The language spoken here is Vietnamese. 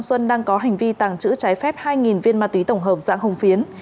xuân đang có hành vi tàng trữ trái phép hai viên ma túy tổng hợp dạng hồng phiến